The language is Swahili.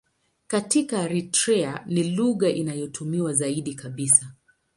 Katika Eritrea ni lugha inayotumiwa zaidi kabisa.